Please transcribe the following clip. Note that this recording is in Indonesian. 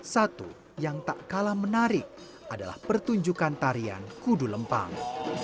satu yang tak kalah menarik adalah pertunjukan tarian kudu lempang